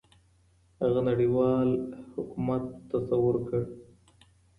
هغه نړيوال حکومت تصور کړ.